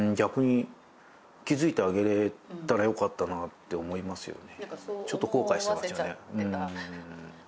って思いますよね。